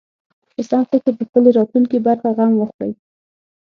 په سم فکر د خپلې راتلونکې برخه غم وخوري.